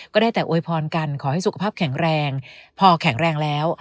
ก็ได้แต่อวยพรกันขอให้สุขภาพแข็งแรงพอแข็งแรงแล้ว